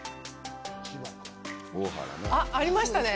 あっ、ありましたね。